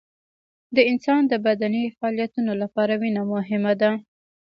د انسان د بدني فعالیتونو لپاره وینه مهمه ده